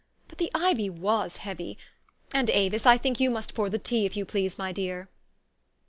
But the ivy was heavy. And Avis, I think you must pour the tea, if you please, my dear."